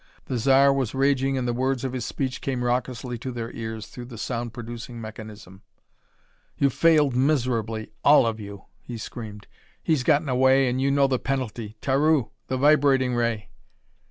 The Zar was raging and the words of his speech came raucously to their ears through the sound producing mechanism. "You've failed miserably, all of you," he screamed. "He's gotten away and you know the penalty. Taru the vibrating ray!"